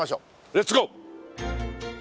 レッツゴー。